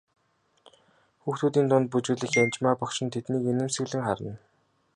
Хүүхдүүдийн дунд бүжиглэх Янжмаа багш нь тэднийг инээмсэглэн харна.